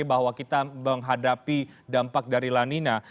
bahwa kita menghadapi dampak dari lanina